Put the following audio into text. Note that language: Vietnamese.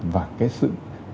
và cái sự